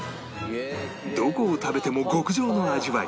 どこを食べても極上の味わい！